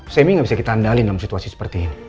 semi nggak bisa kita andalin dalam situasi seperti ini